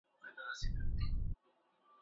موږ ولي وروسته پاتي يو؟